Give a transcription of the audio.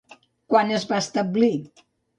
Quan es va establir?